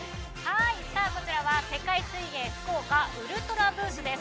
こちらは世界水泳福岡ウルトラブースです。